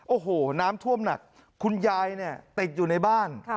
โอ้โหน้ำท่วมหนักคุณยายเนี่ยติดอยู่ในบ้าน